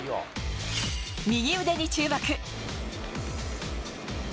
右腕に注目。